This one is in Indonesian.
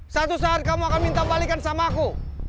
satu saat kamu akan minta balikan sama aku